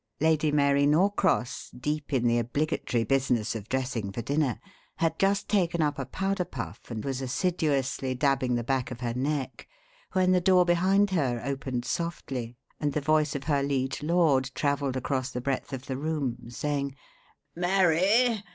Lady Mary Norcross deep in the obligatory business of dressing for dinner had just taken up a powder puff and was assiduously dabbing the back of her neck, when the door behind her opened softly and the voice of her liege lord travelled across the breadth of the room, saying: "Mary!